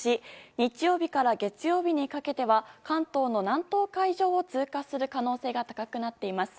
日曜日から月曜日にかけては関東の南東海上を通過する可能性が高くなっています。